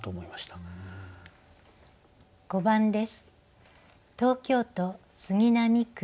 ５番です。